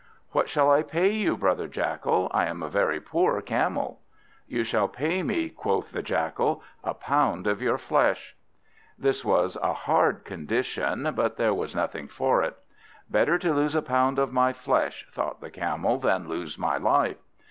"What shall I pay you, brother Jackal? I am a very poor Camel." "You shall pay me," quoth the Jackal, "a pound of your flesh." This was a hard condition, but there was nothing for it, "Better to lose a pound of my flesh," thought the Camel, "than lose my life."